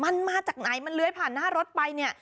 มันมาจากไหนมันเลื้อยผ่านหน้ารถไปเนี่ย